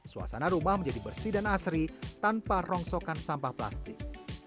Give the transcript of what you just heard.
suasana rumah menjadi bersih dan asri tanpa rongsokan sampah plastik